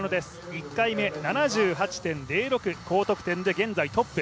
１回目、７８．０６、高得点で現在トップ。